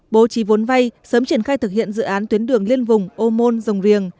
bộ trí vốn vay sớm triển khai thực hiện dự án tuyến đường liên vùng ô môn dồng riềng